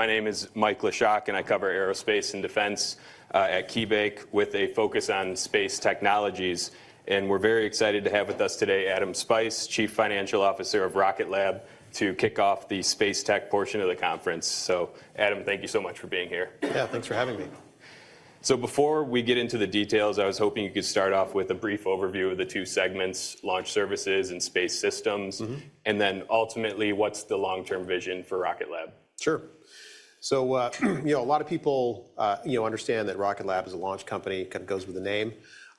My name is Mike Leshock, and I cover aerospace and defense at KeyBanc with a focus on space technologies. We're very excited to have with us today Adam Spice, Chief Financial Officer of Rocket Lab, to kick off the space tech portion of the conference. Adam, thank you so much for being here. Yeah, thanks for having me. So before we get into the details, I was hoping you could start off with a brief overview of the two segments, launch services and space systems, and then ultimately, what's the long-term vision for Rocket Lab? Sure. So, you know, a lot of people, you know, understand that Rocket Lab is a launch company, kind of goes with the name.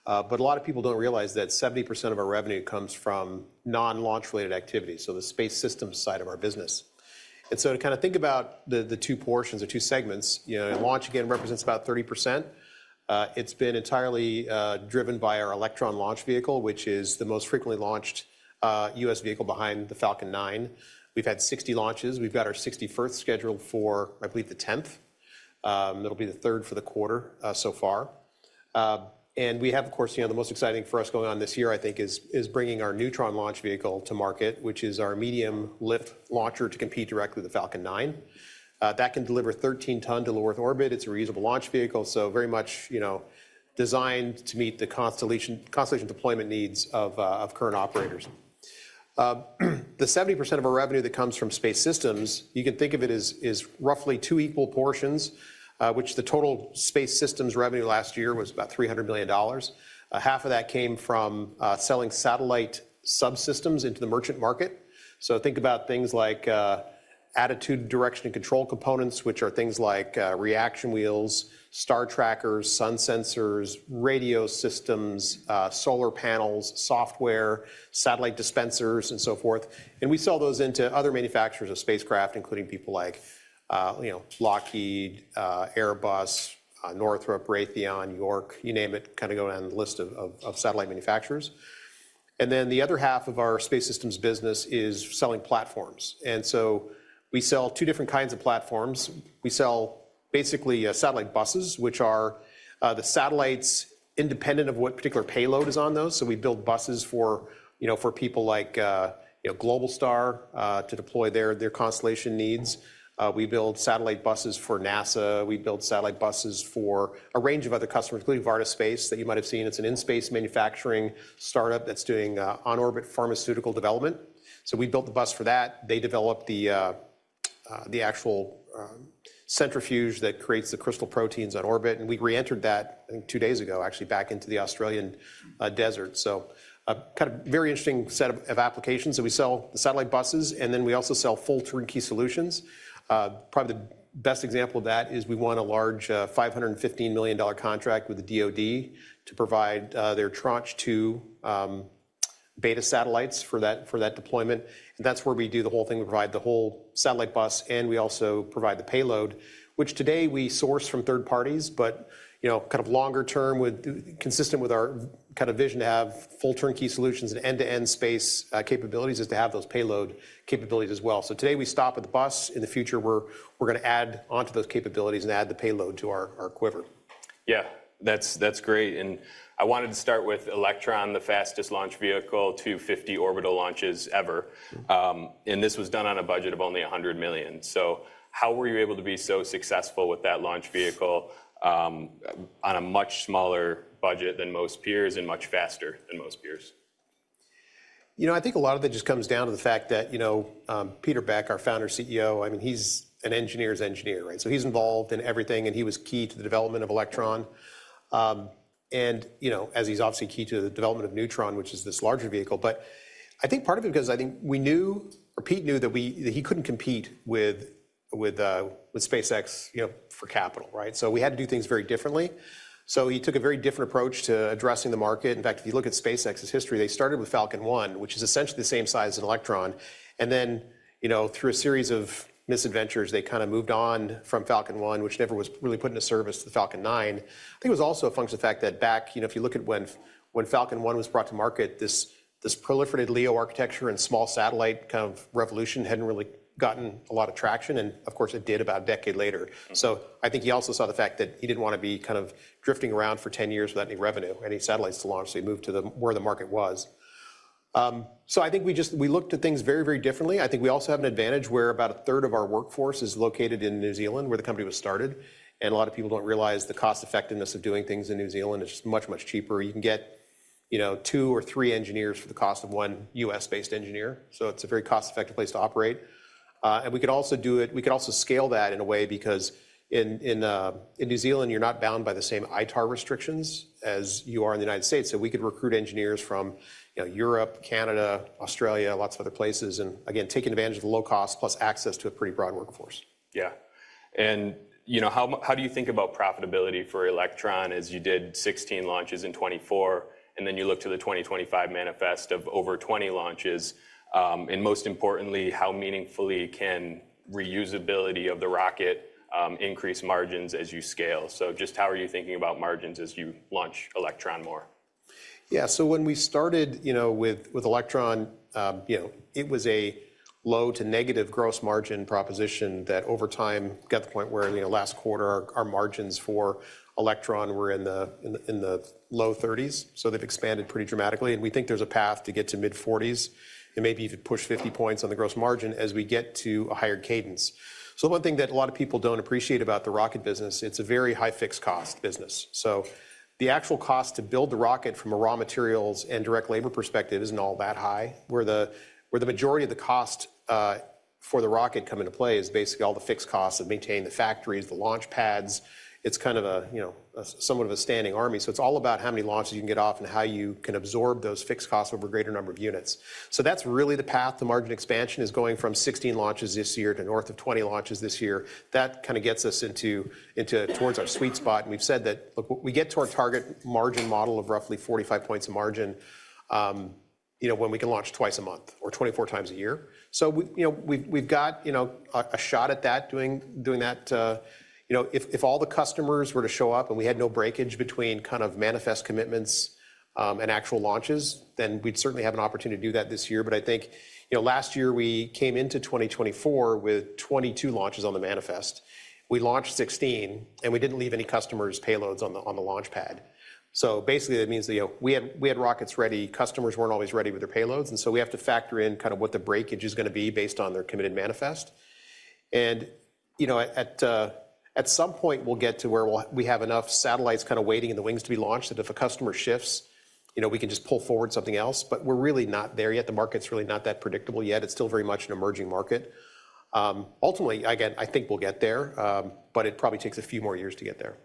But a lot of people don't realize that 70% of our revenue comes from non-launch-related activities, so the space systems side of our business. And so to kind of think about the two portions or two segments, you know, launch, again, represents about 30%. It's been entirely driven by our Electron launch vehicle, which is the most frequently launched U.S. vehicle behind the Falcon 9. We've had 60 launches. We've got our 61st scheduled for, I believe, the 10th. That'll be the third for the quarter so far. We have, of course, you know, the most exciting for us going on this year, I think, is bringing our Neutron launch vehicle to market, which is our medium lift launcher to compete directly with the Falcon 9. That can deliver 13 tons to low Earth orbit. It is a reusable launch vehicle, so very much, you know, designed to meet the constellation deployment needs of current operators. The 70% of our revenue that comes from space systems, you can think of it as roughly two equal portions, and the total space systems revenue last year was about $300 million. $150 million came from selling satellite subsystems into the merchant market. So think about things like attitude, direction, and control components, which are things like reaction wheels, star trackers, sun sensors, radio systems, solar panels, software, satellite dispensers, and so forth. We sell those into other manufacturers of spacecraft, including people like, you know, Lockheed, Airbus, Northrop, Raytheon, York, you name it, kind of going on the list of satellite manufacturers. The other half of our space systems business is selling platforms. We sell two different kinds of platforms. We sell basically satellite buses, which are the satellites, independent of what particular payload is on those. We build buses for, you know, for people like, you know, Globalstar to deploy their constellation needs. We build satellite buses for NASA. We build satellite buses for a range of other customers, including Varda Space, that you might have seen. It's an in-space manufacturing startup that's doing on-orbit pharmaceutical development. We built the bus for that. They develop the actual centrifuge that creates the crystal proteins on orbit. We reentered that, I think, two days ago, actually, back into the Australian desert. Kind of very interesting set of applications. We sell the satellite buses, and then we also sell full turnkey solutions. Probably the best example of that is we won a large $515 million contract with the DoD to provide their Tranche 2 Beta satellites for that deployment. That's where we do the whole thing. We provide the whole satellite bus, and we also provide the payload, which today we source from third parties. You know, kind of longer term, consistent with our kind of vision to have full turnkey solutions and end-to-end space capabilities, is to have those payload capabilities as well. Today we stop at the bus. In the future, we're going to add onto those capabilities and add the payload to our quiver. Yeah, that's great. And I wanted to start with Electron, the fastest launch vehicle, 250 orbital launches ever. And this was done on a budget of only $100 million. So how were you able to be so successful with that launch vehicle on a much smaller budget than most peers and much faster than most peers? You know, I think a lot of it just comes down to the fact that, you know, Peter Beck, our founder CEO, I mean, he's an engineer's engineer, right? So he's involved in everything, and he was key to the development of Electron. And, you know, as he's obviously key to the development of Neutron, which is this larger vehicle. But I think part of it because I think we knew, or Pete knew, that he couldn't compete with SpaceX, you know, for capital, right? So we had to do things very differently. So he took a very different approach to addressing the market. In fact, if you look at SpaceX's history, they started with Falcon 1, which is essentially the same size as Electron. And then, you know, through a series of misadventures, they kind of moved on from Falcon 1, which never was really put into service, to the Falcon 9. I think it was also a function of the fact that back, you know, if you look at when Falcon 1 was brought to market, this proliferated LEO architecture and small satellite kind of revolution hadn't really gotten a lot of traction. And of course, it did about a decade later. So I think he also saw the fact that he didn't want to be kind of drifting around for 10 years without any revenue, any satellites to launch. So he moved to where the market was. So I think we just we looked at things very, very differently. I think we also have an advantage where about a third of our workforce is located in New Zealand, where the company was started. And a lot of people don't realize the cost-effectiveness of doing things in New Zealand. It's much, much cheaper. You can get, you know, two or three engineers for the cost of one U.S.-based engineer. So it's a very cost-effective place to operate. And we could also do it; we could also scale that in a way because in New Zealand, you're not bound by the same ITAR restrictions as you are in the United States. So we could recruit engineers from, you know, Europe, Canada, Australia, lots of other places, and again, taking advantage of the low cost plus access to a pretty broad workforce. Yeah. And, you know, how do you think about profitability for Electron as you did 16 launches in 2024, and then you look to the 2025 manifest of over 20 launches? And most importantly, how meaningfully can reusability of the rocket increase margins as you scale? So just how are you thinking about margins as you launch Electron more? Yeah, so when we started, you know, with Electron, you know, it was a low- to negative-gross-margin proposition that over time got to the point where, you know, last quarter, our margins for Electron were in the low 30s. So they've expanded pretty dramatically. And we think there's a path to get to mid-40s and maybe even push 50 points on the gross margin as we get to a higher cadence. So one thing that a lot of people don't appreciate about the rocket business, it's a very high fixed cost business. So the actual cost to build the rocket from a raw materials and direct labor perspective isn't all that high, where the majority of the cost for the rocket comes into play is basically all the fixed costs of maintaining the factories, the launch pads. It's kind of a, you know, somewhat of a standing army. So it's all about how many launches you can get off and how you can absorb those fixed costs over a greater number of units. So that's really the path. The margin expansion is going from 16 launches this year to north of 20 launches this year. That kind of gets us into towards our sweet spot. And we've said that, look, we get to our target margin model of roughly 45 points of margin, you know, when we can launch twice a month or 24x a year. So, you know, we've got, you know, a shot at that, doing that. You know, if all the customers were to show up and we had no breakage between kind of manifest commitments and actual launches, then we'd certainly have an opportunity to do that this year. But I think, you know, last year we came into 2024 with 22 launches on the manifest. We launched 16, and we didn't leave any customers' payloads on the launch pad. So basically that means that, you know, we had rockets ready. Customers weren't always ready with their payloads. And so we have to factor in kind of what the breakage is going to be based on their committed manifest. And, you know, at some point we'll get to where we have enough satellites kind of waiting in the wings to be launched that if a customer shifts, you know, we can just pull forward something else. But we're really not there yet. The market's really not that predictable yet. It's still very much an emerging market. Ultimately, again, I think we'll get there, but it probably takes a few more years to get there.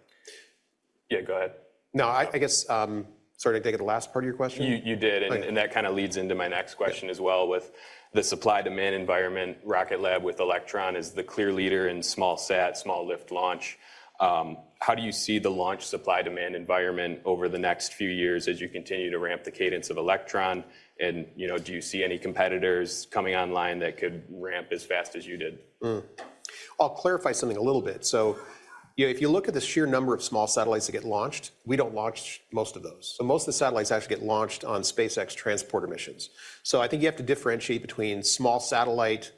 Yeah, go ahead. No, I guess, sorry, did I take the last part of your question? You did, and that kind of leads into my next question as well with the supply-demand environment. Rocket Lab with Electron is the clear leader in small sat, small lift launch. How do you see the launch supply-demand environment over the next few years as you continue to ramp the cadence of Electron? And, you know, do you see any competitors coming online that could ramp as fast as you did? I'll clarify something a little bit. So, you know, if you look at the sheer number of small satellites that get launched, we don't launch most of those. So most of the satellites actually get launched on SpaceX transport missions. So I think you have to differentiate between small satellite,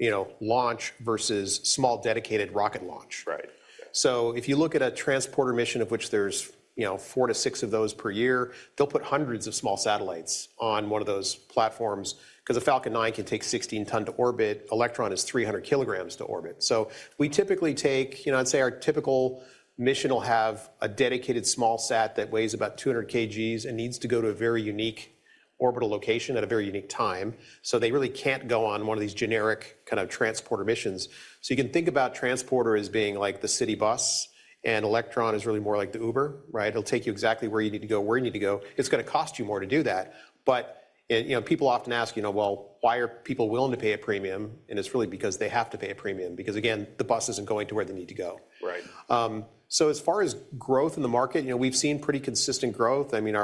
you know, launch versus small dedicated rocket launch. Right. So if you look at a transport mission, of which there's, you know, four to six of those per year, they'll put hundreds of small satellites on one of those platforms because a Falcon 9 can take 16 tons to orbit. Electron is 300 kg to orbit. So we typically take, you know, I'd say our typical mission will have a dedicated small sat that weighs about 200 kg and needs to go to a very unique orbital location at a very unique time. So they really can't go on one of these generic kind of transport missions. So you can think about transport as being like the city bus, and Electron is really more like the Uber, right? It'll take you exactly where you need to go, where you need to go. It's going to cost you more to do that. But, you know, people often ask, you know, well, why are people willing to pay a premium? And it's really because they have to pay a premium because, again, the bus isn't going to where they need to go. Right. So as far as growth in the market, you know, we've seen pretty consistent growth. I mean,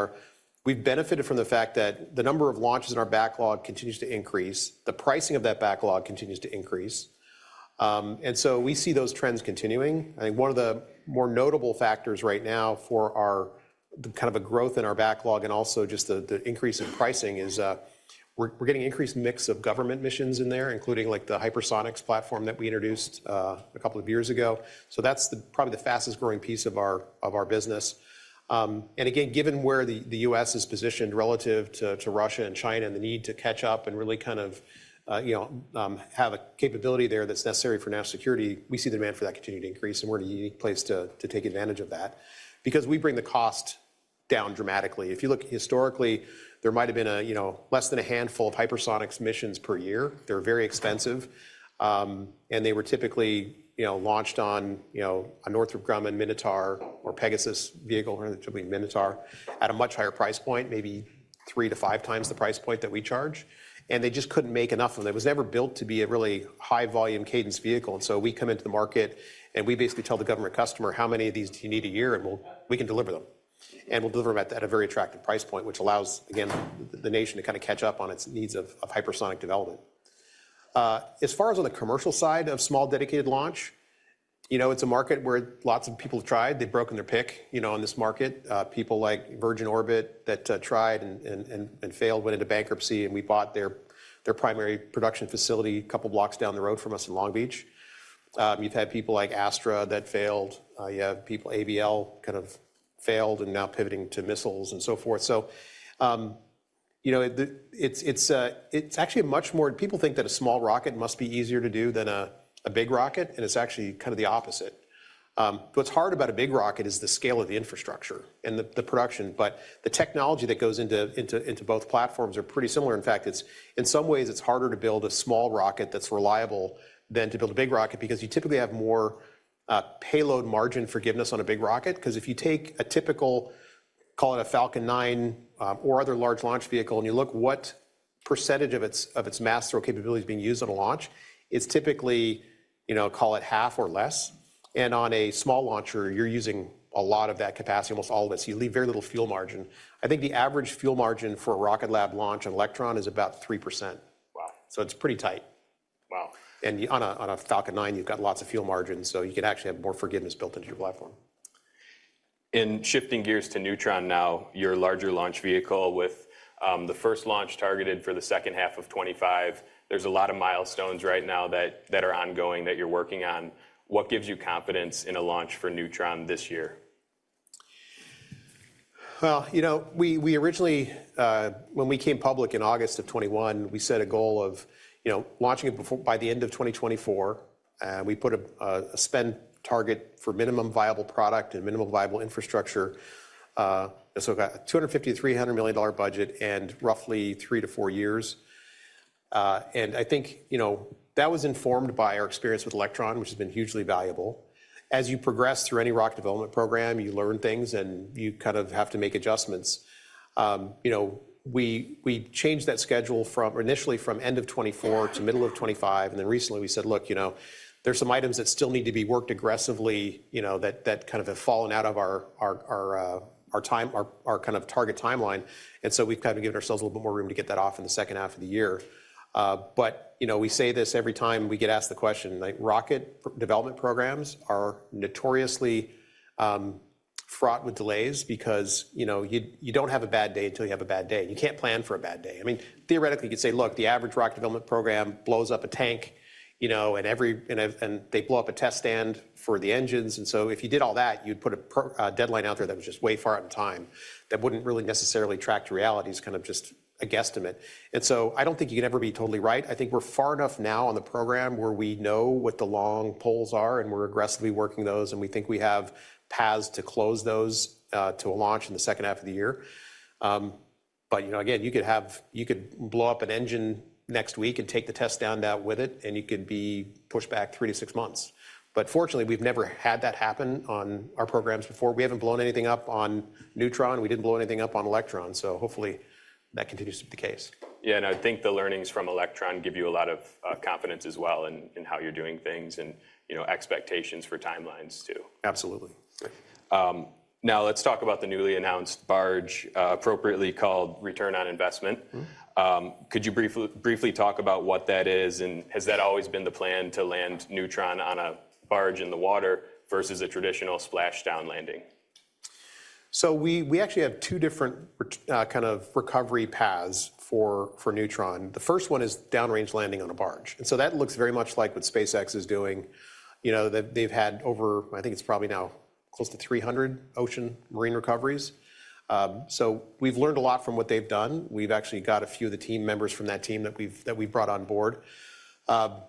we've benefited from the fact that the number of launches in our backlog continues to increase. The pricing of that backlog continues to increase. And so we see those trends continuing. I think one of the more notable factors right now for our kind of a growth in our backlog and also just the increase in pricing is we're getting an increased mix of government missions in there, including like the hypersonics platform that we introduced a couple of years ago. So that's probably the fastest growing piece of our business. And again, given where the U.S. is positioned relative to Russia and China and the need to catch up and really kind of, you know, have a capability there that's necessary for national security. We see the demand for that continue to increase. And we're in a unique place to take advantage of that because we bring the cost down dramatically. If you look historically, there might have been a, you know, less than a handful of hypersonics missions per year. They're very expensive. And they were typically, you know, launched on, you know, a Northrop Grumman Minotaur or Pegasus vehicle, or something Minotaur at a much higher price point, maybe three to five times the price point that we charge. And they just couldn't make enough of them. It was never built to be a really high-volume cadence vehicle. We come into the market, and we basically tell the government customer how many of these do you need a year? And we can deliver them. And we'll deliver them at a very attractive price point, which allows, again, the nation to kind of catch up on its needs of hypersonic development. As far as on the commercial side of small dedicated launch, you know, it's a market where lots of people tried. They've broken their pick, you know, in this market. People like Virgin Orbit that tried and failed went into bankruptcy, and we bought their primary production facility a couple of blocks down the road from us in Long Beach. You've had people like Astra that failed. You have people, ABL kind of failed, and now pivoting to missiles and so forth. You know, people think that a small rocket must be easier to do than a big rocket, and it's actually kind of the opposite. What's hard about a big rocket is the scale of the infrastructure and the production. But the technology that goes into both platforms are pretty similar. In fact, in some ways, it's harder to build a small rocket that's reliable than to build a big rocket because you typically have more payload margin forgiveness on a big rocket. Because if you take a typical, call it a Falcon 9 or other large launch vehicle, and you look at what percentage of its mass throw capability is being used on a launch, it's typically, you know, call it half or less. And on a small launcher, you're using a lot of that capacity, almost all of it. So you leave very little fuel margin. I think the average fuel margin for a Rocket Lab launch on Electron is about 3%. Wow. So it's pretty tight. Wow. On a Falcon 9, you've got lots of fuel margin, so you can actually have more forgiveness built into your platform. Shifting gears to Neutron now, your larger launch vehicle with the first launch targeted for the second half of 2025, there's a lot of milestones right now that are ongoing that you're working on. What gives you confidence in a launch for Neutron this year? You know, we originally, when we came public in August of 2021, we set a goal of, you know, launching it by the end of 2024. We put a spend target for minimum viable product and minimum viable infrastructure. So we've got a $250 million-$300 million budget and roughly three to four years. And I think, you know, that was informed by our experience with Electron, which has been hugely valuable. As you progress through any rocket development program, you learn things, and you kind of have to make adjustments. You know, we changed that schedule from initially end of 2024 to middle of 2025. And then recently we said, look, you know, there's some items that still need to be worked aggressively, you know, that kind of have fallen out of our kind of target timeline. And so we've kind of given ourselves a little bit more room to get that off in the second half of the year. But, you know, we say this every time we get asked the question, like rocket development programs are notoriously fraught with delays because, you know, you don't have a bad day until you have a bad day. You can't plan for a bad day. I mean, theoretically, you could say, look, the average rocket development program blows up a tank, you know, and they blow up a test stand for the engines. And so if you did all that, you'd put a deadline out there that was just way far out in time that wouldn't really necessarily track to reality. It's kind of just a guesstimate. And so I don't think you could ever be totally right. I think we're far enough now on the program where we know what the long poles are, and we're aggressively working those, and we think we have paths to close those to a launch in the second half of the year. But, you know, again, you could blow up an engine next week and take the test down that with it, and you could be pushed back three to six months. But fortunately, we've never had that happen on our programs before. We haven't blown anything up on Neutron. We didn't blow anything up on Electron. So hopefully that continues to be the case. Yeah, and I think the learnings from Electron give you a lot of confidence as well in how you're doing things and, you know, expectations for timelines too. Absolutely. Now let's talk about the newly announced barge, appropriately called Return on Investment. Could you briefly talk about what that is? And has that always been the plan to land Neutron on a barge in the water versus a traditional splashdown landing? We actually have two different kind of recovery paths for Neutron. The first one is downrange, landing on a barge. That looks very much like what SpaceX is doing. You know, they've had over, I think it's probably now close to 300 ocean marine recoveries. We've learned a lot from what they've done. We've actually got a few of the team members from that team that we've brought on board. The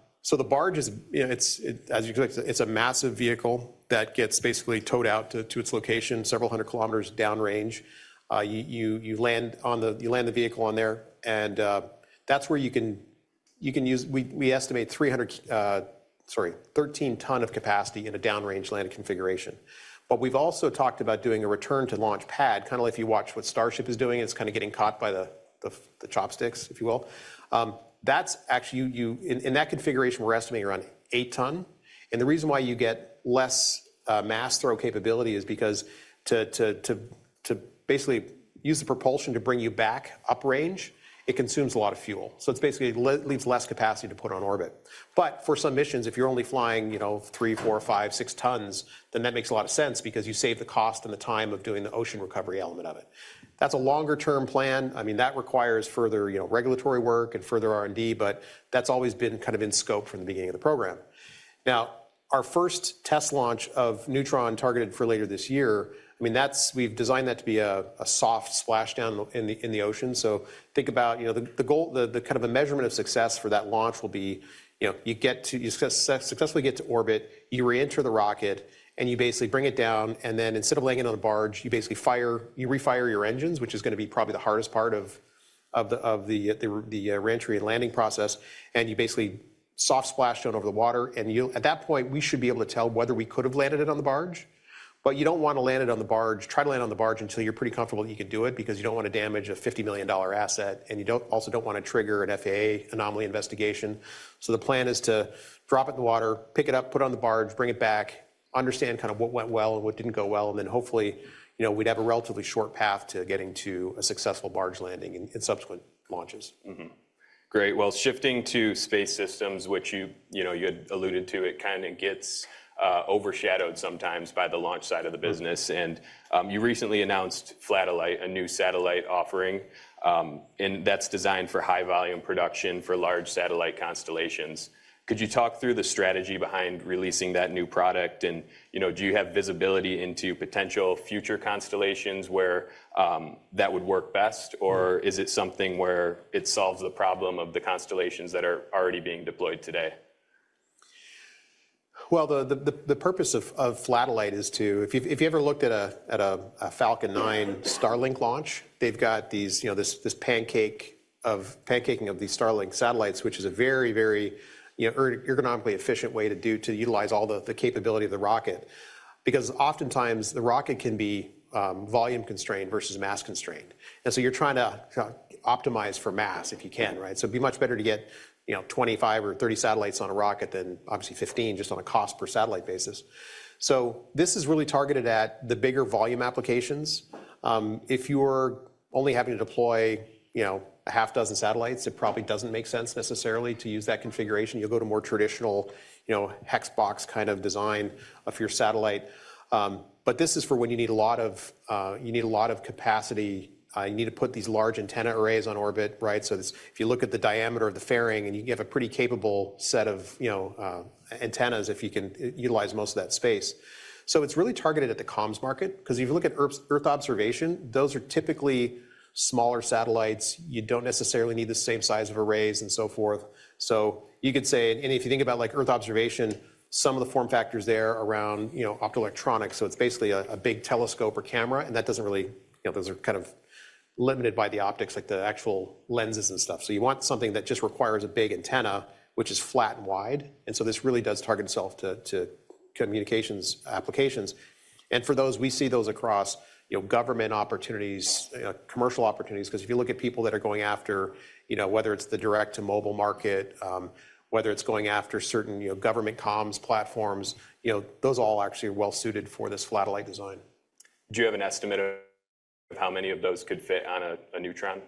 barge is, you know, as you expect, a massive vehicle that gets basically towed out to its location several hundred kilometers downrange. You land the vehicle on there, and that's where you can use, we estimate 300, sorry, 13 tons of capacity in a downrange landing configuration. But we've also talked about doing a return to launch pad, kind of like if you watch what Starship is doing, it's kind of getting caught by the Chopsticks, if you will. That's actually, in that configuration, we're estimating around eight ton. And the reason why you get less mass throw capability is because to basically use the propulsion to bring you back up range, it consumes a lot of fuel. So it basically leaves less capacity to put on orbit. But for some missions, if you're only flying, you know, three, four, five, six tons, then that makes a lot of sense because you save the cost and the time of doing the ocean recovery element of it. That's a longer-term plan. I mean, that requires further regulatory work and further R&D, but that's always been kind of in scope from the beginning of the program. Now, our first test launch of Neutron targeted for later this year. I mean, we've designed that to be a soft splashdown in the ocean. So think about, you know, the kind of measurement of success for that launch will be, you know, you successfully get to orbit, you re-enter the rocket, and you basically bring it down. And then instead of landing on the barge, you basically refire your engines, which is going to be probably the hardest part of the re-entry and landing process. And you basically soft splashdown over the water. And at that point, we should be able to tell whether we could have landed it on the barge. But you don't want to land it on the barge, try to land it on the barge until you're pretty comfortable that you can do it because you don't want to damage a $50 million asset. You also don't want to trigger an FAA anomaly investigation. The plan is to drop it in the water, pick it up, put it on the barge, bring it back, and understand what went well and what didn't go well. Then hopefully, you know, we'd have a relatively short path to getting to a successful barge landing in subsequent launches. Great. Well, shifting to space systems, which you had alluded to, it kind of gets overshadowed sometimes by the launch side of the business. And you recently announced Flatellite, a new satellite offering, and that's designed for high-volume production for large satellite constellations. Could you talk through the strategy behind releasing that new product? And, you know, do you have visibility into potential future constellations where that would work best? Or is it something where it solves the problem of the constellations that are already being deployed today? The purpose of Flatellite is to, if you ever looked at a Falcon 9 Starlink launch, they've got this pancake of pancaking of these Starlink satellites, which is a very, very ergonomically efficient way to utilize all the capability of the rocket. Because oftentimes the rocket can be volume-constrained versus mass-constrained. And so you're trying to optimize for mass if you can, right? So it'd be much better to get 25 or 30 satellites on a rocket than obviously 15 just on a cost per satellite basis. So this is really targeted at the bigger volume applications. If you're only having to deploy, you know, a half dozen satellites, it probably doesn't make sense necessarily to use that configuration. You'll go to more traditional, you know, hex box kind of design of your satellite. But this is for when you need a lot of capacity. You need to put these large antenna arrays on orbit, right? So if you look at the diameter of the fairing, and you have a pretty capable set of, you know, antennas, if you can utilize most of that space. So it's really targeted at the comms market. Because if you look at Earth observation, those are typically smaller satellites. You don't necessarily need the same size of arrays and so forth. So you could say, and if you think about like Earth observation, some of the form factors there around, you know, optoelectronics. So it's basically a big telescope or camera, and that doesn't really, you know, those are kind of limited by the optics, like the actual lenses and stuff. So you want something that just requires a big antenna, which is flat and wide. And so this really does target itself to communications applications. And for those, we see those across, you know, government opportunities, commercial opportunities. Because if you look at people that are going after, you know, whether it's the direct to mobile market, whether it's going after certain, you know, government comms platforms, you know, those all actually are well suited for this Flatellite design. Do you have an estimate of how many of those could fit on a Neutron?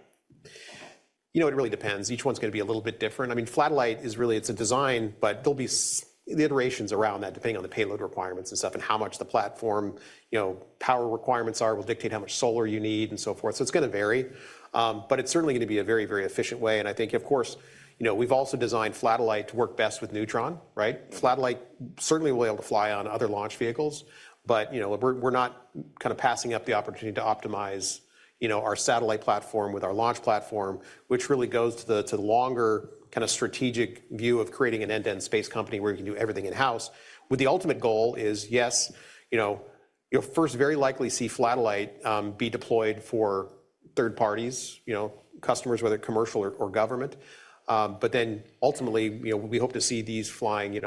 You know, it really depends. Each one's going to be a little bit different. I mean, Flatellite is really, it's a design, but there'll be iterations around that depending on the payload requirements and stuff, and how much the platform, you know, power requirements are, will dictate how much solar you need and so forth. So it's going to vary. But it's certainly going to be a very, very efficient way. And I think, of course, you know, we've also designed Flatellite to work best with Neutron, right? Flatellite certainly will be able to fly on other launch vehicles. But, you know, we're not kind of passing up the opportunity to optimize, you know, our satellite platform with our launch platform, which really goes to the longer kind of strategic view of creating an end-to-end space company where you can do everything in-house. With the ultimate goal is, yes, you know, you'll first very likely see Flatellite be deployed for third parties, you know, customers, whether commercial or government. But then ultimately, you know, we hope to see these flying, you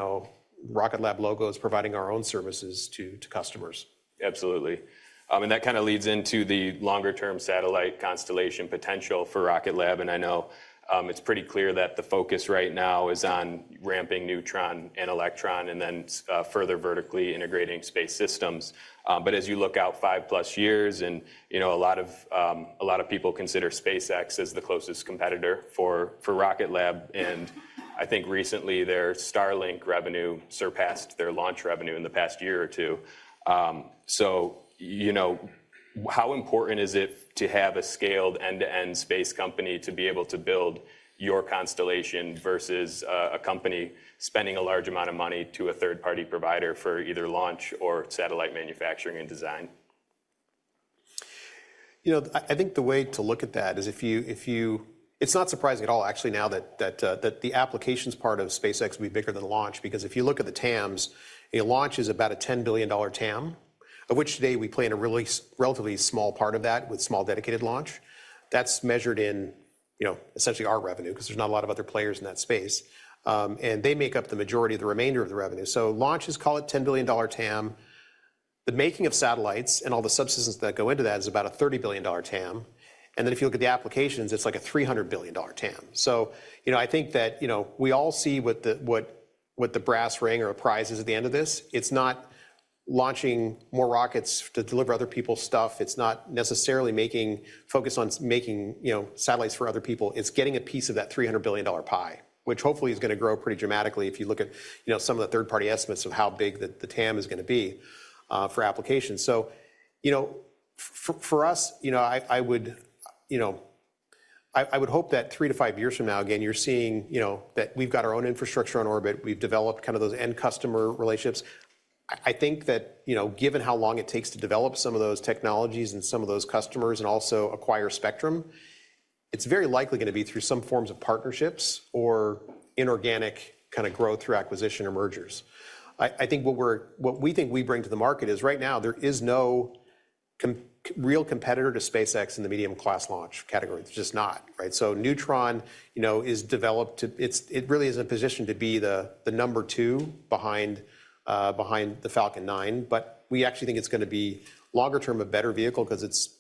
know, Rocket Lab logos providing our own services to customers. Absolutely. And that kind of leads into the longer-term satellite constellation potential for Rocket Lab. And I know it's pretty clear that the focus right now is on ramping Neutron and Electron and then further vertically integrating space systems. But as you look out five plus years, and you know, a lot of people consider SpaceX as the closest competitor for Rocket Lab. And I think recently their Starlink revenue surpassed their launch revenue in the past year or two. So, you know, how important is it to have a scaled end-to-end space company to be able to build your constellation versus a company spending a large amount of money to a third-party provider for either launch or satellite manufacturing and design? You know, I think the way to look at that is. It's not surprising at all, actually now that the applications part of SpaceX will be bigger than launch. Because if you look at the TAMs, a launch is about a $10 billion TAM, of which today we play in a really relatively small part of that with small dedicated launch. That's measured in, you know, essentially our revenue, because there's not a lot of other players in that space, and they make up the majority of the remainder of the revenue, so launches call it $10 billion TAM. The making of satellites and all the subsystems that go into that is about a $30 billion TAM, and then if you look at the applications, it's like a $300 billion TAM. So, you know, I think that, you know, we all see what the brass ring or a prize is at the end of this. It's not launching more rockets to deliver other people's stuff. It's not necessarily making focus on making, you know, satellites for other people. It's getting a piece of that $300 billion pie, which hopefully is going to grow pretty dramatically if you look at, you know, some of the third-party estimates of how big the TAM is going to be for applications. So, you know, for us, you know, I would, you know, I would hope that three to five years from now, again, you're seeing, you know, that we've got our own infrastructure on orbit. We've developed kind of those end customer relationships. I think that, you know, given how long it takes to develop some of those technologies and some of those customers and also acquire spectrum, it's very likely going to be through some forms of partnerships or inorganic kind of growth through acquisition or mergers. I think what we think we bring to the market is right now there is no real competitor to SpaceX in the medium-class launch category. There's just not, right? So Neutron, you know, is developed to, it really is in a position to be the number two behind the Falcon 9. But we actually think it's going to be longer-term, a better vehicle because it's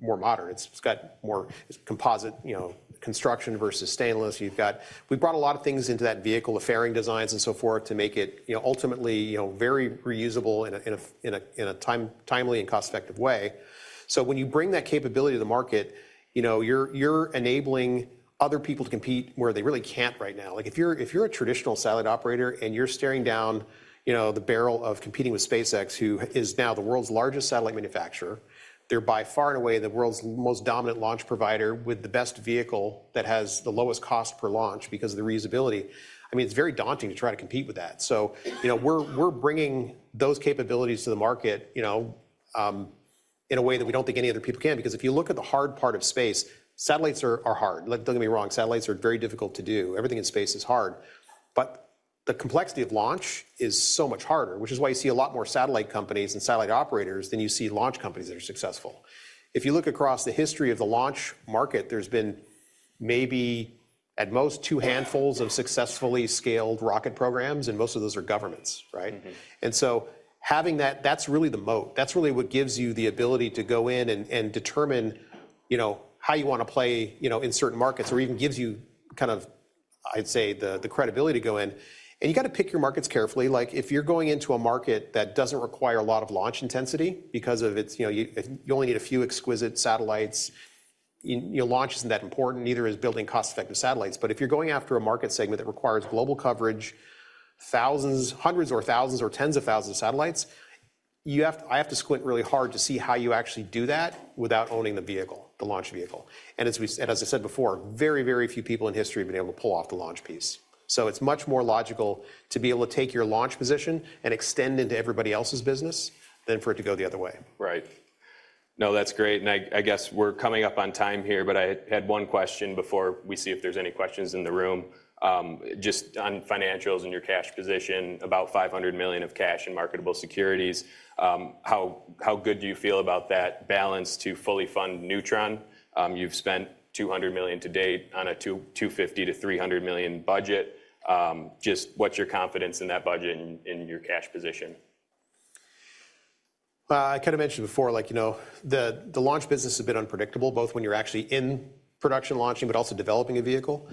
more modern. It's got more composite, you know, construction versus stainless. You've got, we've brought a lot of things into that vehicle, the fairing designs and so forth to make it, you know, ultimately, you know, very reusable in a timely and cost-effective way. So when you bring that capability to the market, you know, you're enabling other people to compete where they really can't right now. Like if you're a traditional satellite operator and you're staring down, you know, the barrel of competing with SpaceX, who is now the world's largest satellite manufacturer, they're by far and away the world's most dominant launch provider with the best vehicle that has the lowest cost per launch because of the reusability. I mean, it's very daunting to try to compete with that. So, you know, we're bringing those capabilities to the market, you know, in a way that we don't think any other people can. Because if you look at the hard part of space, satellites are hard. Don't get me wrong, satellites are very difficult to do. Everything in space is hard. But the complexity of launch is so much harder, which is why you see a lot more satellite companies and satellite operators than you see launch companies that are successful. If you look across the history of the launch market, there's been maybe at most two handfuls of successfully scaled rocket programs, and most of those are governments, right? And so having that, that's really the moat. That's really what gives you the ability to go in and determine, you know, how you want to play, you know, in certain markets or even gives you kind of, I'd say, the credibility to go in. And you got to pick your markets carefully. Like if you're going into a market that doesn't require a lot of launch intensity because of its, you know, you only need a few exquisite satellites, your launch isn't that important, neither is building cost-effective satellites. But if you're going after a market segment that requires global coverage, thousands, hundreds or thousands or tens of thousands of satellites, you have to, I have to squint really hard to see how you actually do that without owning the vehicle, the launch vehicle. And as I said before, very, very few people in history have been able to pull off the launch piece. So it's much more logical to be able to take your launch position and extend into everybody else's business than for it to go the other way. Right. No, that's great. And I guess we're coming up on time here, but I had one question before we see if there's any questions in the room. Just on financials and your cash position, about $500 million of cash and marketable securities. How good do you feel about that balance to fully fund Neutron? You've spent $200 million to date on a $250 million-$300 million budget. Just what's your confidence in that budget and your cash position? I kind of mentioned before, like, you know, the launch business has been unpredictable, both when you're actually in production launching, but also developing a vehicle.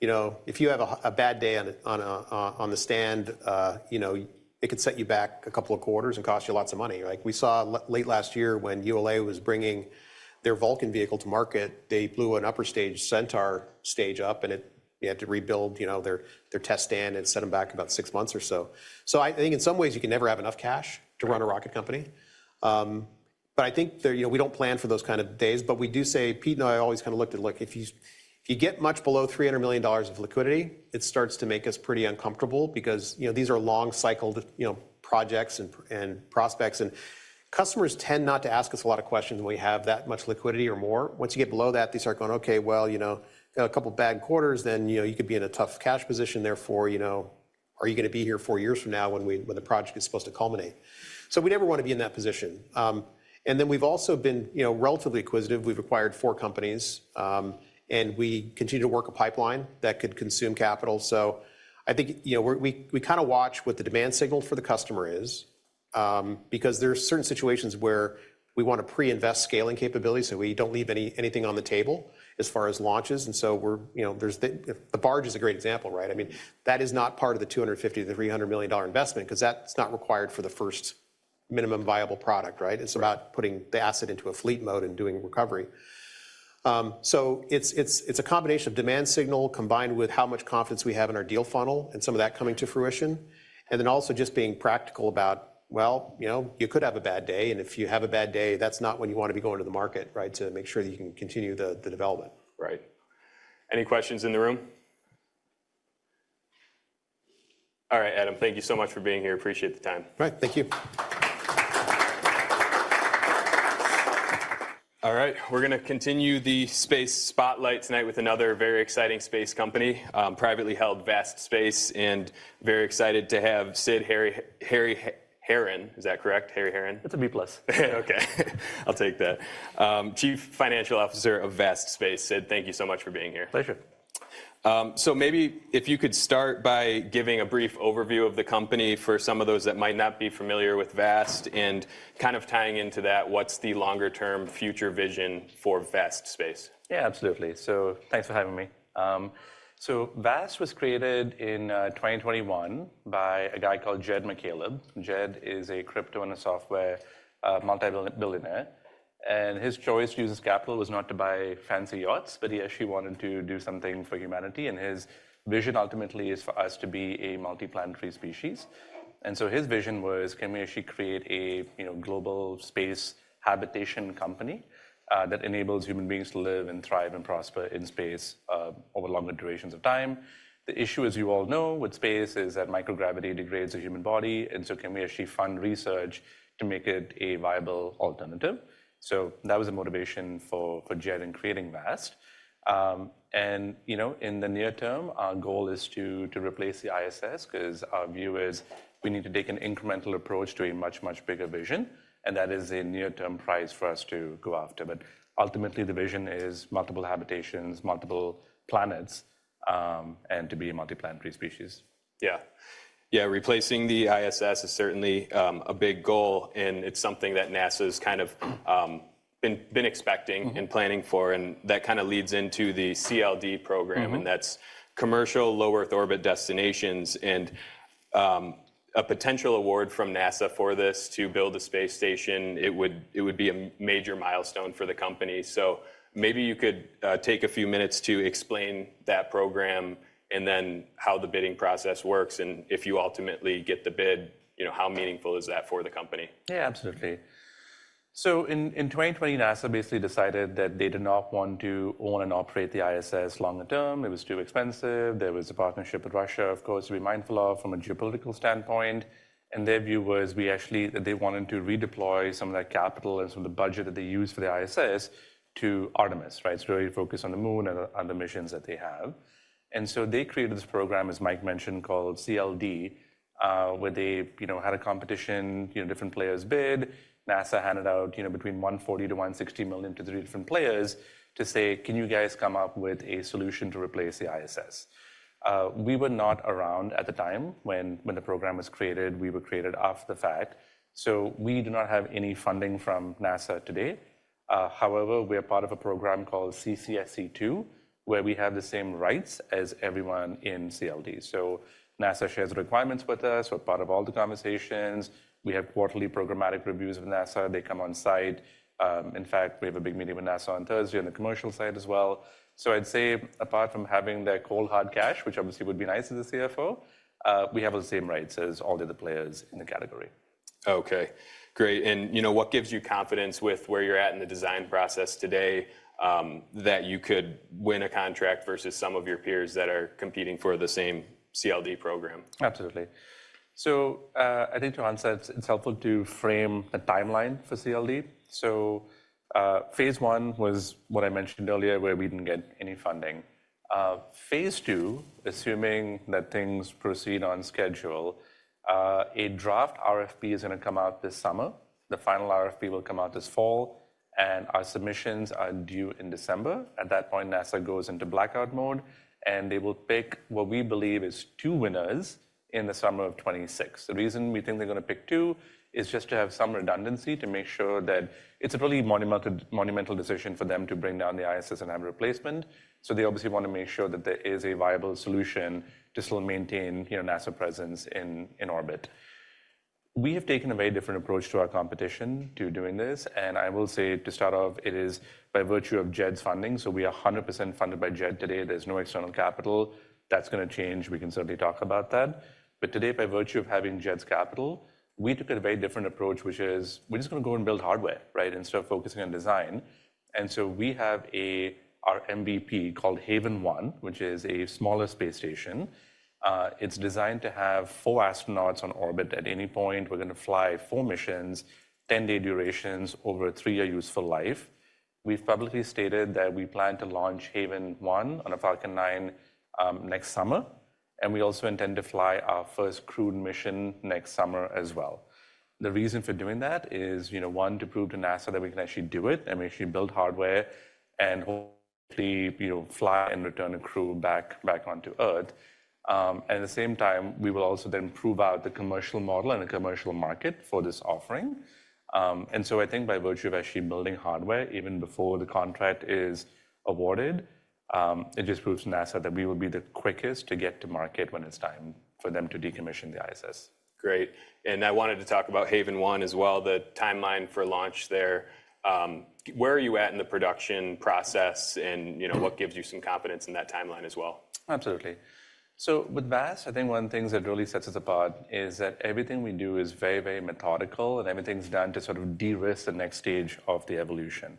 You know, if you have a bad day on the stand, you know, it could set you back a couple of quarters and cost you lots of money. Like we saw late last year when ULA was bringing their Vulcan vehicle to market, they blew an upper-stage Centaur stage up, and it had to rebuild, you know, their test stand and set them back about six months or so. So I think in some ways you can never have enough cash to run a rocket company. But I think there, you know, we don't plan for those kind of days. But we do say, Pete and I always kind of looked at, look, if you get much below $300 million of liquidity, it starts to make us pretty uncomfortable because, you know, these are long-cycled, you know, projects and prospects. And customers tend not to ask us a lot of questions when we have that much liquidity or more. Once you get below that, they start going, okay, well, you know, a couple of bad quarters, then, you know, you could be in a tough cash position there for, you know, are you going to be here four years from now when the project is supposed to culminate? So we never want to be in that position. And then we've also been, you know, relatively acquisitive. We've acquired four companies, and we continue to work a pipeline that could consume capital. So I think, you know, we kind of watch what the demand signal for the customer is. Because there are certain situations where we want to pre-invest scaling capabilities, so we don't leave anything on the table as far as launches. And so we're, you know, there's, the barge is a great example, right? I mean, that is not part of the $250 million-$300 million investment because that's not required for the first minimum viable product, right? It's about putting the asset into a fleet mode and doing recovery. So it's a combination of demand signal, combined with how much confidence we have in our deal funnel and some of that coming to fruition. And then also just being practical about, well, you know, you could have a bad day. If you have a bad day, that's not when you want to be going to the market, right? To make sure that you can continue the development. Right. Any questions in the room? All right, Adam, thank you so much for being here. Appreciate the time. All right, thank you. All right, we're going to continue the space spotlight tonight with another very exciting space company, privately held Vast Space, and very excited to have Sid Hariharan. Is that correct, Hariharan? It's a B plus. Okay, I'll take that. Chief Financial Officer of Vast Space, Sid, thank you so much for being here. Pleasure. Maybe if you could start by giving a brief overview of the company for some of those that might not be familiar with Vast and kind of tying into that, what's the longer-term future vision for Vast Space? Yeah, absolutely. So thanks for having me. So Vast was created in 2021 by a guy called Jed McCaleb. Jed is a crypto and a software multi-billionaire. And his choice to use his capital was not to buy fancy yachts, but he actually wanted to do something for humanity. And his vision ultimately is for us to be a multi-planetary species. And so his vision was, can we actually create a, you know, global space habitation company that enables human beings to live and thrive and prosper in space over longer durations of time? The issue, as you all know, with space is that microgravity degrades the human body. And so can we actually fund research to make it a viable alternative? So that was the motivation for Jed in creating Vast. You know, in the near term, our goal is to replace the ISS because our view is we need to take an incremental approach to a much, much bigger vision. That is a near-term price for us to go after. Ultimately, the vision is multiple habitations, multiple planets, and to be a multi-planetary species. Yeah. Yeah, replacing the ISS is certainly a big goal. And it's something that NASA's kind of been expecting and planning for. And that kind of leads into the CLD program. And that's Commercial Low Earth Orbit Destinations. And a potential award from NASA for this to build a space station, it would be a major milestone for the company. So maybe you could take a few minutes to explain that program and then how the bidding process works. And if you ultimately get the bid, you know, how meaningful is that for the company? Yeah, absolutely. So in 2020, NASA basically decided that they did not want to own and operate the ISS longer term. It was too expensive. There was a partnership with Russia, of course, to be mindful of from a geopolitical standpoint. And their view was we actually, they wanted to redeploy some of that capital and some of the budget that they use for the ISS to Artemis, right? So really focus on the moon and on the missions that they have. And so they created this program, as Mike mentioned, called CLD, where they, you know, had a competition, you know, different players bid. NASA handed out, you know, $140 million-$160 million to three different players to say, can you guys come up with a solution to replace the ISS? We were not around at the time when the program was created. We were created after the fact. So we do not have any funding from NASA today. However, we are part of a program called CCSC-2, where we have the same rights as everyone in CLD. So NASA shares requirements with us. We're part of all the conversations. We have quarterly programmatic reviews with NASA. They come on site. In fact, we have a big meeting with NASA on Thursday on the commercial side as well. So I'd say apart from having that cold hard cash, which obviously would be nice as a CFO, we have the same rights as all the other players in the category. Okay, great. And you know, what gives you confidence with where you're at in the design process today that you could win a contract versus some of your peers that are competing for the same CLD program? Absolutely. So I think to answer, it's helpful to frame the timeline for CLD. Phase one was what I mentioned earlier, where we didn't get any funding. Phase II, assuming that things proceed on schedule, a draft RFP is going to come out this summer. The final RFP will come out this fall. Our submissions are due in December. At that point, NASA goes into blackout mode. They will pick what we believe is two winners in the summer of 2026. The reason we think they're going to pick two is just to have some redundancy to make sure that it's a really monumental decision for them to bring down the ISS and have a replacement. They obviously want to make sure that there is a viable solution to still maintain, you know, NASA presence in orbit. We have taken a very different approach to our competition to doing this. And I will say to start off, it is by virtue of Jed's funding. So we are 100% funded by Jed today. There's no external capital. That's going to change. We can certainly talk about that. But today, by virtue of having Jed's capital, we took a very different approach, which is we're just going to go and build hardware, right? Instead of focusing on design. And so we have our MVP called Haven-1, which is a smaller space station. It's designed to have four astronauts on orbit at any point. We're going to fly four missions, 10-day durations over a three-year useful life. We've publicly stated that we plan to launch Haven-1 on a Falcon 9 next summer. And we also intend to fly our first crewed mission next summer as well. The reason for doing that is, you know, one, to prove to NASA that we can actually do it and we actually build hardware, and hopefully, you know, fly and return a crew back onto Earth. And at the same time, we will also then prove out the commercial model and the commercial market for this offering. And so I think by virtue of actually building hardware even before the contract is awarded, it just proves to NASA that we will be the quickest to get to market when it's time for them to decommission the ISS. Great, and I wanted to talk about Haven-1 as well, the timeline for launch there. Where are you at in the production process, and, you know, what gives you some confidence in that timeline as well? Absolutely. So with Vast, I think one of the things that really sets us apart is that everything we do is very, very methodical, and everything's done to sort of de-risk the next stage of the evolution.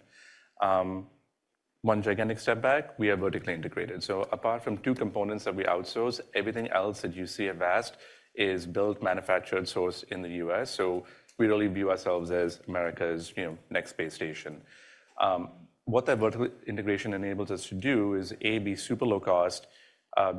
One gigantic step back, we are vertically integrated. So apart from two components that we outsource, everything else that you see at Vast is built, manufactured, sourced in the U.S. So we really view ourselves as America's, you know, next space station. What that vertical integration enables us to do is A, be super low cost,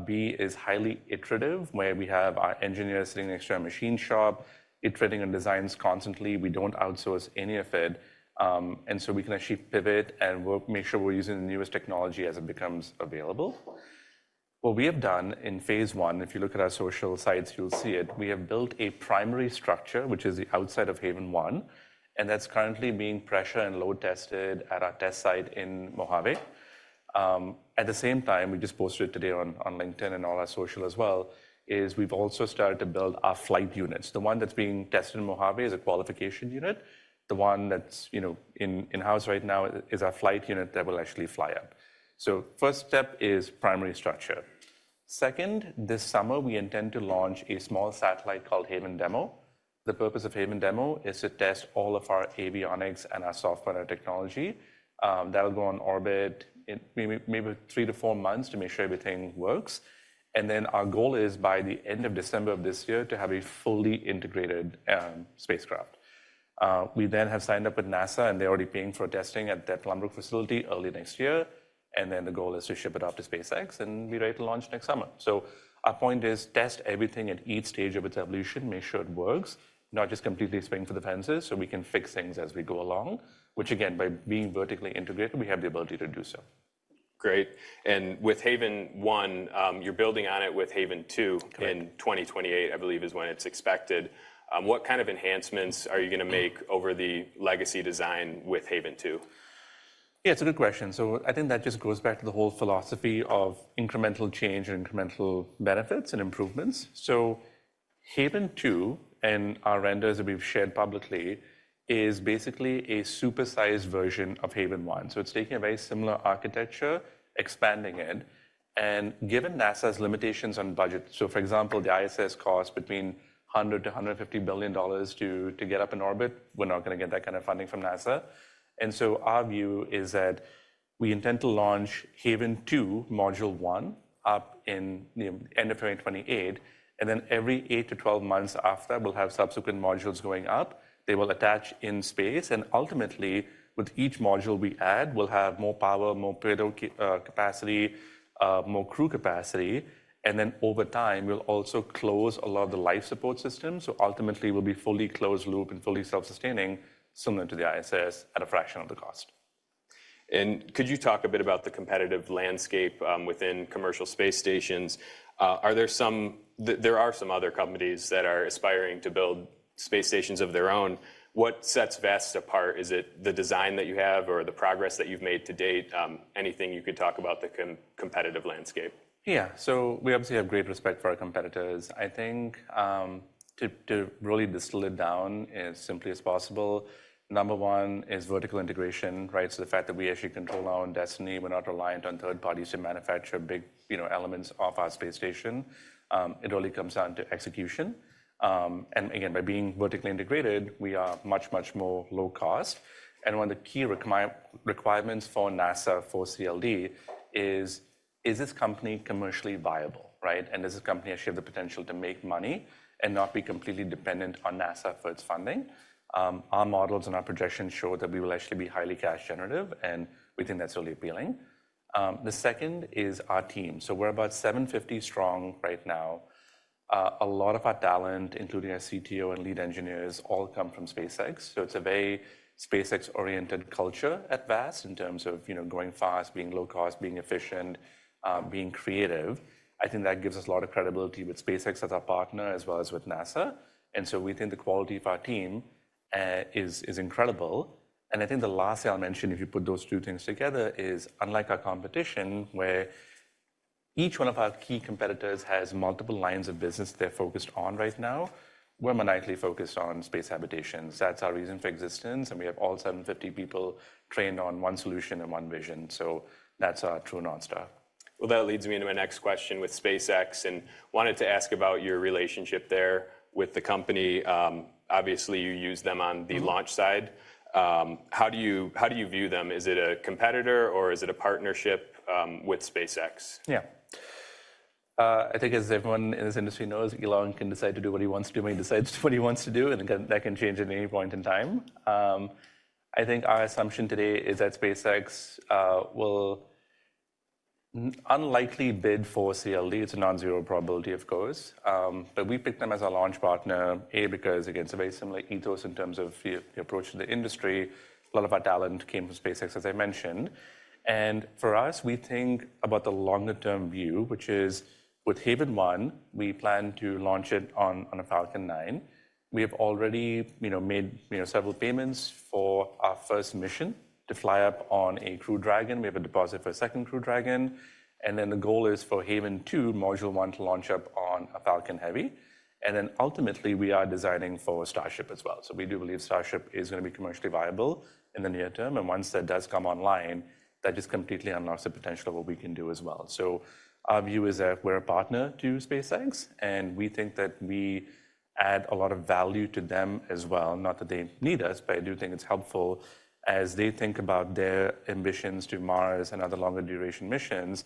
B, is highly iterative, where we have our engineers sitting next to our machine shop, iterating on designs constantly. We don't outsource any of it. And so we can actually pivot and make sure we're using the newest technology as it becomes available. What we have done in phase one, if you look at our social sites, you'll see it, we have built a primary structure, which is the outside of Haven-1. And that's currently being pressure and load tested at our test site in Mojave. At the same time, we just posted it today on LinkedIn and all our social as well, is we've also started to build our flight units. The one that's being tested in Mojave is a qualification unit. The one that's, you know, in-house right now is our flight unit that will actually fly up. So first step is primary structure. Second, this summer, we intend to launch a small satellite called Haven Demo. The purpose of Haven Demo is to test all of our avionics and our software and our technology. That will go on orbit in maybe three to four months to make sure everything works. And then our goal is by the end of December of this year to have a fully integrated spacecraft. We then have signed up with NASA and they're already paying for testing at that Long Beach facility early next year. And then the goal is to ship it off to SpaceX and be ready to launch next summer. So our point is to test everything at each stage of its evolution, make sure it works, not just completely swing for the fences so we can fix things as we go along, which again, by being vertically integrated, we have the ability to do so. Great. And with Haven-1, you're building on it with Haven-2 in 2028, I believe is when it's expected. What kind of enhancements are you going to make over the legacy design with Haven-2? Yeah, it's a good question. So I think that just goes back to the whole philosophy of incremental change and incremental benefits and improvements. So Haven-2 and our renders that we've shared publicly is basically a super-sized version of Haven-1. So it's taking a very similar architecture, expanding it. And given NASA's limitations on budget, so for example, the ISS cost between $100 billion-$150 billion to get up in orbit, we're not going to get that kind of funding from NASA. And so our view is that we intend to launch Haven-2 module 1 up in, you know, end of 2028. And then every 8-12 months after, we'll have subsequent modules going up. They will attach in space. And ultimately, with each module we add, we'll have more power, more payload capacity, more crew capacity. And then over time, we'll also close a lot of the life support systems. So ultimately, we'll be fully closed loop and fully self-sustaining, similar to the ISS, at a fraction of the cost. Could you talk a bit about the competitive landscape within commercial space stations? There are some other companies that are aspiring to build space stations of their own. What sets Vast apart? Is it the design that you have or the progress that you've made to date? Anything you could talk about the competitive landscape? Yeah, so we obviously have great respect for our competitors. I think to really distill it down as simply as possible, number one is vertical integration, right? So the fact that we actually control our own destiny, we're not reliant on third parties to manufacture big, you know, elements of our space station. It really comes down to execution. And again, by being vertically integrated, we are much, much more low cost. And one of the key requirements for NASA for CLD is, is this company commercially viable, right? And does this company actually have the potential to make money and not be completely dependent on NASA for its funding? Our models and our projections show that we will actually be highly cash generative. And we think that's really appealing. The second is our team. So we're about 750 strong right now. A lot of our talent, including our CTO and lead engineers, all come from SpaceX. So it's a very SpaceX-oriented culture at Vast in terms of, you know, going fast, being low cost, being efficient, being creative. I think that gives us a lot of credibility with SpaceX as our partner, as well as with NASA. And so we think the quality of our team is incredible. And I think the last thing I'll mention, if you put those two things together, is unlike our competition, where each one of our key competitors has multiple lines of business they're focused on right now, we're maniacally focused on space habitations. That's our reason for existence. And we have all 750 people trained on one solution and one vision. So that's our true North Star. That leads me into my next question with SpaceX. And wanted to ask about your relationship there with the company. Obviously, you use them on the launch side. How do you view them? Is it a competitor or is it a partnership with SpaceX? Yeah. I think as everyone in this industry knows, Elon can decide to do what he wants to do when he decides what he wants to do. And that can change at any point in time. I think our assumption today is that SpaceX will unlikely bid for CLD. It's a nonzero probability, of course. But we picked them as our launch partner, A, because again, it's a very similar ethos in terms of the approach to the industry. A lot of our talent came from SpaceX, as I mentioned. And for us, we think about the longer-term view, which is with Haven-1, we plan to launch it on a Falcon 9. We have already, you know, made several payments for our first mission to fly up on a Crew Dragon. We have a deposit for a second Crew Dragon. And then the goal is for Haven-2, module 1, to launch up on a Falcon Heavy. And then ultimately, we are designing for Starship as well. So we do believe Starship is going to be commercially viable in the near term. And once that does come online, that just completely unlocks the potential of what we can do as well. So our view is that we're a partner to SpaceX. And we think that we add a lot of value to them as well. Not that they need us, but I do think it's helpful as they think about their ambitions to Mars and other longer-duration missions.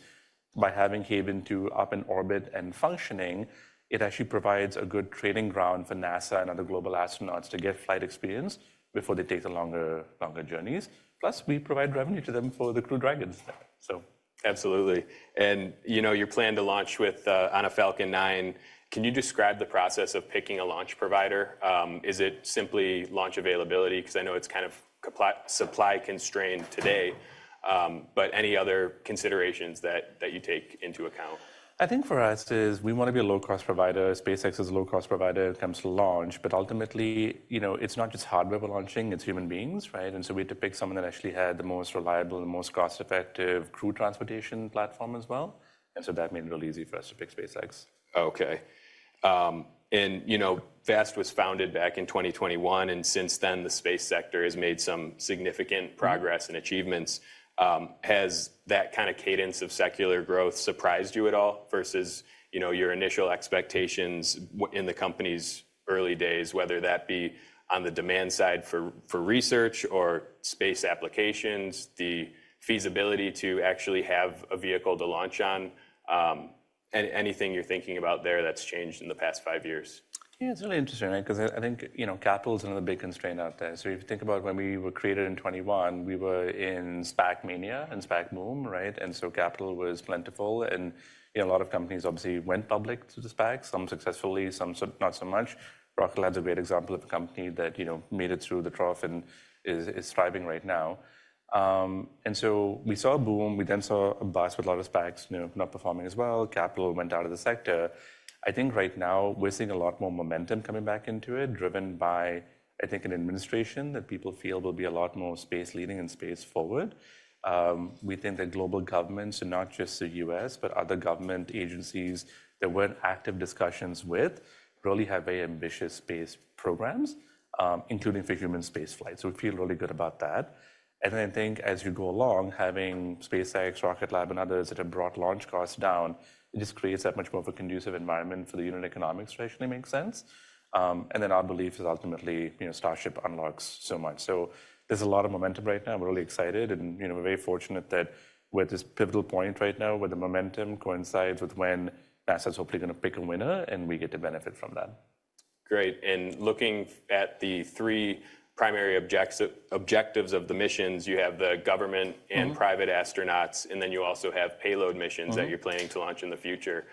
By having Haven-2 up in orbit and functioning, it actually provides a good training ground for NASA and other global astronauts to get flight experience before they take the longer journeys. Plus, we provide revenue to them for the Crew Dragons. Absolutely, and you know, your plan to launch on a Falcon 9. Can you describe the process of picking a launch provider? Is it simply launch availability? Because I know it's kind of supply constrained today. But any other considerations that you take into account? I think for us, we want to be a low-cost provider. SpaceX is a low-cost provider when it comes to launch, but ultimately, you know, it's not just hardware we're launching, it's human beings, right?, and so we had to pick someone that actually had the most reliable and the most cost-effective crew transportation platform as well, and so that made it really easy for us to pick SpaceX. Okay. You know, Vast was founded back in 2021. Since then, the space sector has made some significant progress and achievements. Has that kind of cadence of secular growth surprised you at all versus, you know, your initial expectations in the company's early days, whether that be on the demand side for research or space applications, the feasibility to actually have a vehicle to launch on, and anything you're thinking about there that's changed in the past five years? Yeah, it's really interesting, right? Because I think, you know, capital is another big constraint out there. So if you think about when we were created in 2021, we were in SPAC Mania and SPAC Boom, right? And so capital was plentiful. And, you know, a lot of companies obviously went public through the SPAC, some successfully, some not so much. Rocket Lab is a great example of a company that, you know, made it through the trough and is thriving right now. And so we saw a boom. We then saw a bust with a lot of SPACs, you know, not performing as well. Capital went out of the sector. I think right now we're seeing a lot more momentum coming back into it, driven by, I think, an administration that people feel will be a lot more space-leading and space-forward. We think that global governments, and not just the U.S., but other government agencies that we're in active discussions with, really have very ambitious space programs, including for human spaceflight. So we feel really good about that. And then I think as you go along, having SpaceX, Rocket Lab, and others that have brought launch costs down, it just creates that much more of a conducive environment for the unit economics to actually make sense. And then our belief is ultimately, you know, Starship unlocks so much. So there's a lot of momentum right now. We're really excited. And, you know, we're very fortunate that we're at this pivotal point right now where the momentum coincides with when NASA is hopefully going to pick a winner and we get to benefit from that. Great. And looking at the three primary objectives of the missions, you have the government and private astronauts, and then you also have payload missions that you're planning to launch in the future.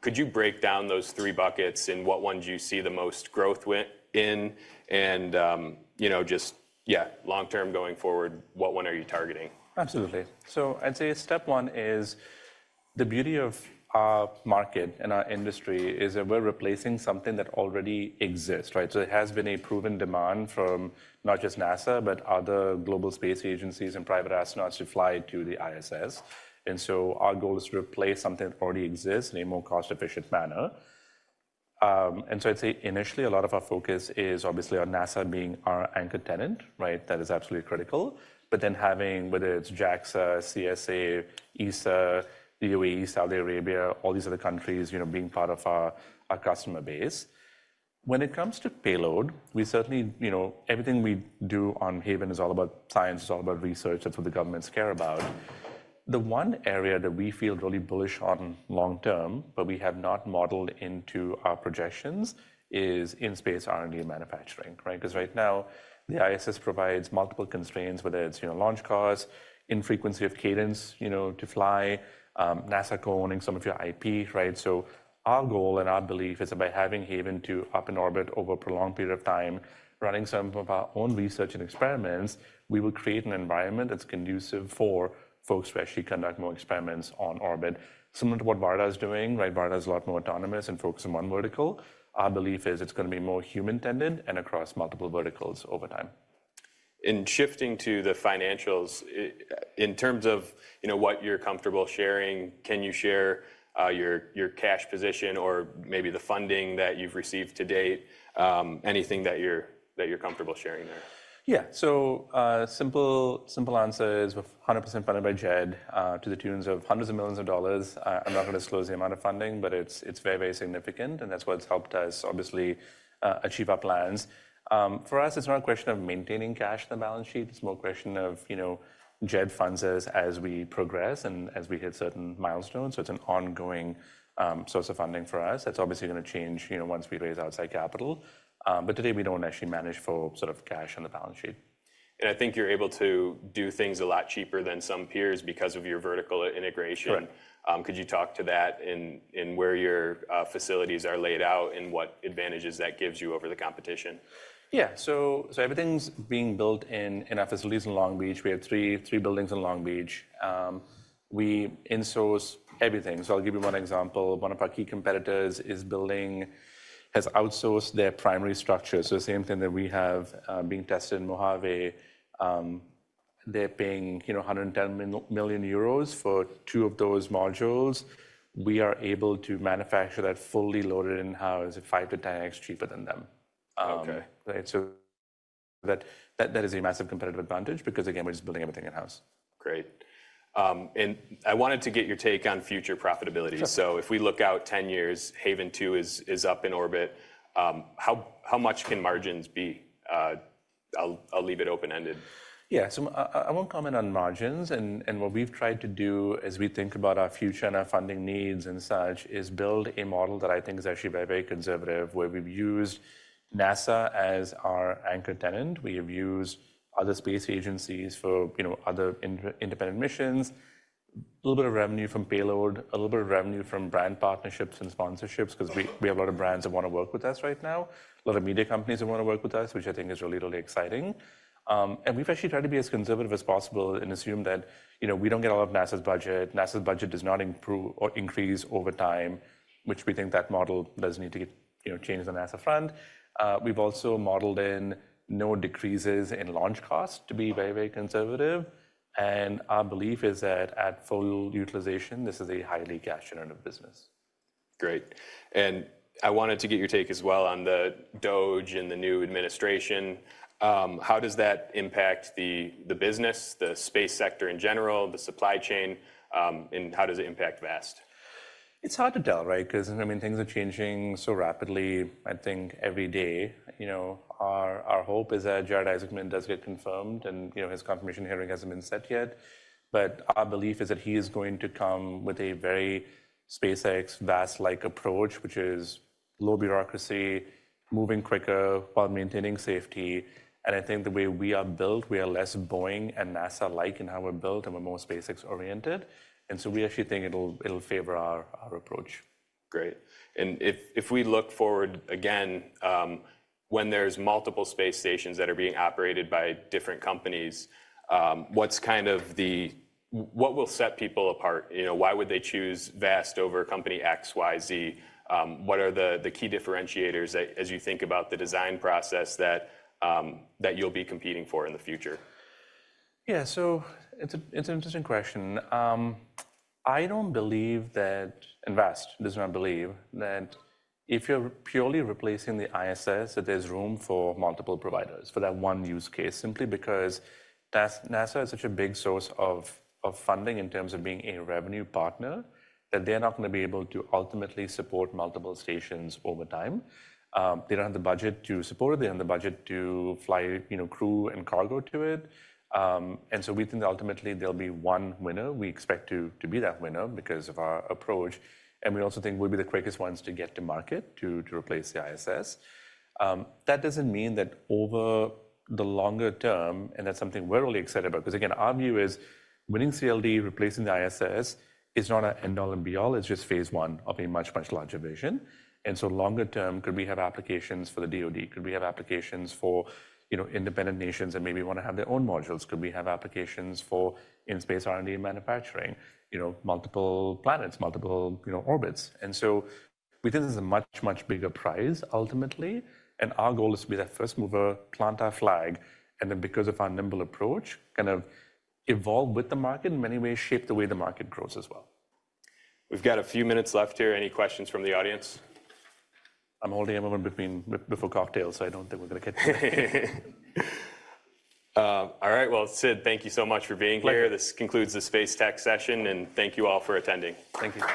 Could you break down those three buckets and what ones you see the most growth in? And, you know, just, yeah, long-term going forward, what one are you targeting? Absolutely. So I'd say step one is the beauty of our market and our industry is that we're replacing something that already exists, right? So it has been a proven demand from not just NASA, but other global space agencies and private astronauts to fly to the ISS. And so our goal is to replace something that already exists in a more cost-efficient manner. And so I'd say initially a lot of our focus is obviously on NASA being our anchor tenant, right? That is absolutely critical. But then having, whether it's JAXA, CSA, ESA, the UAE, Saudi Arabia, all these other countries, you know, being part of our customer base. When it comes to payload, we certainly, you know, everything we do on Haven is all about science, it's all about research, that's what the governments care about. The one area that we feel really bullish on long-term, but we have not modeled into our projections is in-space R&D and manufacturing, right? Because right now the ISS provides multiple constraints, whether it's, you know, launch costs, infrequency of cadence, you know, to fly, NASA co-owning some of your IP, right? So our goal and our belief is that by having Haven-2 up in orbit over a prolonged period of time, running some of our own research and experiments, we will create an environment that's conducive for folks to actually conduct more experiments on orbit, similar to what Varda is doing, right? Varda is a lot more autonomous and focused on one vertical. Our belief is it's going to be more human-tended and across multiple verticals over time. Shifting to the financials, in terms of, you know, what you're comfortable sharing, can you share your cash position or maybe the funding that you've received to date? Anything that you're comfortable sharing there? Yeah, so the simple answer is we're 100% funded by Jed to the tune of hundreds of millions of dollars. I'm not going to disclose the amount of funding, but it's very, very significant. That's what's helped us obviously achieve our plans. For us, it's not a question of maintaining cash in the balance sheet. It's more a question of, you know, Jed funds us as we progress and as we hit certain milestones. So it's an ongoing source of funding for us. That's obviously going to change, you know, once we raise outside capital. Today we don't actually manage for sort of cash on the balance sheet. I think you're able to do things a lot cheaper than some peers because of your vertical integration. Could you talk to that and where your facilities are laid out and what advantages that gives you over the competition? Yeah, so everything's being built in our facilities in Long Beach. We have three buildings in Long Beach. We insource everything. So I'll give you one example. One of our key competitors is building, has outsourced their primary structure. So the same thing that we have being tested in Mojave, they're paying, you know, 110 million euros for two of those modules. We are able to manufacture that fully loaded in-house at five to 10x cheaper than them. So that is a massive competitive advantage because, again, we're just building everything in-house. Great. And I wanted to get your take on future profitability. So if we look out 10 years, Haven-2 is up in orbit. How much can margins be? I'll leave it open-ended. Yeah, so I won't comment on margins. And what we've tried to do as we think about our future and our funding needs and such is build a model that I think is actually very, very conservative where we've used NASA as our anchor tenant. We have used other space agencies for, you know, other independent missions, a little bit of revenue from payload, a little bit of revenue from brand partnerships and sponsorships because we have a lot of brands that want to work with us right now, a lot of media companies that want to work with us, which I think is really, really exciting. And we've actually tried to be as conservative as possible and assume that, you know, we don't get all of NASA's budget. NASA's budget does not improve or increase over time, which we think that model does need to get, you know, changed on NASA's front. We've also modeled in no decreases in launch costs to be very, very conservative. And our belief is that at full utilization, this is a highly cash-generative business. Great. And I wanted to get your take as well on the DOGE and the new administration. How does that impact the business, the space sector in general, the supply chain, and how does it impact Vast? It's hard to tell, right? Because, I mean, things are changing so rapidly, I think, every day. You know, our hope is that Jared Isaacman does get confirmed and, you know, his confirmation hearing hasn't been set yet. But our belief is that he is going to come with a very SpaceX, Vast-like approach, which is low bureaucracy, moving quicker while maintaining safety, and I think the way we are built, we are less Boeing and NASA-like in how we're built and we're more SpaceX-oriented, and so we actually think it'll favor our approach. Great. And if we look forward again, when there's multiple space stations that are being operated by different companies, what's kind of the, what will set people apart? You know, why would they choose Vast over company X, Y, Z? What are the key differentiators as you think about the design process that you'll be competing for in the future? Yeah, so it's an interesting question. I don't believe that, and Vast does not believe, that if you're purely replacing the ISS, that there's room for multiple providers for that one use case, simply because NASA is such a big source of funding in terms of being a revenue partner that they're not going to be able to ultimately support multiple stations over time. They don't have the budget to support it. They don't have the budget to fly, you know, crew and cargo to it. And so we think that ultimately there'll be one winner. We expect to be that winner because of our approach. And we also think we'll be the quickest ones to get to market to replace the ISS. That doesn't mean that over the longer term, and that's something we're really excited about, because again, our view is winning CLD, replacing the ISS is not an end-all and be-all. It's just phase one of a much, much larger vision. And so longer term, could we have applications for the DoD? Could we have applications for, you know, independent nations that maybe want to have their own modules? Could we have applications for in-space R&D and manufacturing, you know, multiple planets, multiple, you know, orbits? And so we think there's a much, much bigger prize ultimately. And our goal is to be that first mover, plant our flag, and then, because of our nimble approach, kind of evolve with the market in many ways, shape the way the market grows as well. We've got a few minutes left here. Any questions from the audience? I'm holding everyone between before cocktails, so I don't think we're going to get to it. All right, well, Sid, thank you so much for being here. This concludes the Space Tech Session, and thank you all for attending. Thank you.